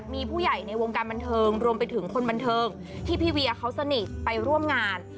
มีผู้ใหญ่ในวงการบันเทิงรวมไปถึงคนบันเทิงที่พี่เวียเขาสนิทไปร่วมงาน